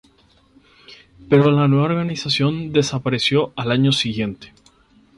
Pero la nueva organización desapareció al año siguiente.